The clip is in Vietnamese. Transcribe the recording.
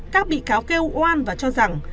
các bị cáo kêu oan và cho rằng